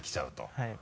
はい。